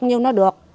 như nó được